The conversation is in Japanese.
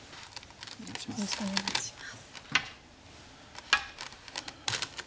よろしくお願いします。